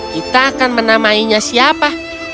kita akan menamainya siapa